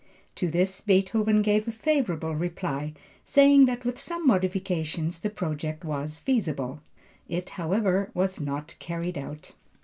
To this Beethoven gave a favorable reply, saying that with some modifications the project was feasible. It, however, was not carried out.